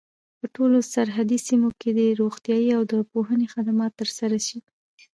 په ټولو سرحدي سیمو کي دي روغتیايي او د پوهني خدمات تر سره سي.